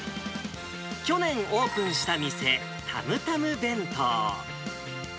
去年オープンした店、たむたむ弁当。